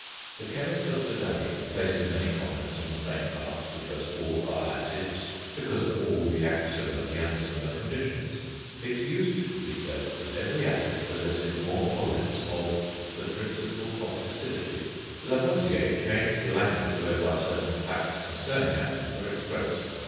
The chemist of to day places many compounds in the same class because all are acids, because all react similarly under similar conditions. It used to be said that every acid possesses more or less of the principle of acidity. Lavoisier changed the language whereby certain facts concerning acids were expressed.